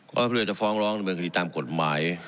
ก็เพื่อจะฟ้องร้องดำเนินคดีตามกฎหมาย